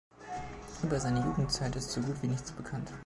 Über seine Jugendzeit ist so gut wie nichts bekannt.